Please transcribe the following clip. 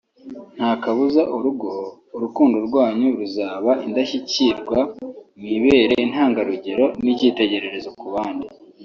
ntakabuza urugo/urukundo rwanyu ruzaba indashyikirwa mwibere intangarugero n’icyitegererezo ku bandi